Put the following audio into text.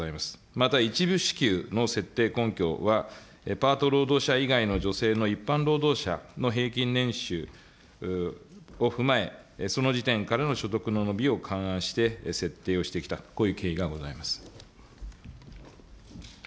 また一部支給の設定根拠は、パート労働者以外の女性の一般労働者の平均年収を踏まえ、その時点からの所得の伸びを勘案して設定をしてきた、こういう経緯がございます。